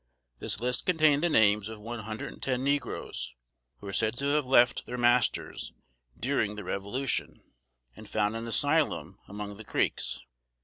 This list contained the names of one hundred and ten negroes, who were said to have left their masters during the Revolution, and found an asylum among the Creeks.